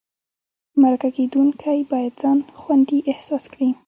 مرکه کېدونکی باید ځان خوندي احساس کړي.